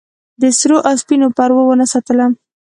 د سرو او سپینو پروا ونه ساتله.